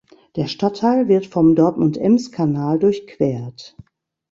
Der Stadtteil wird vom Dortmund-Ems-Kanal durchquert.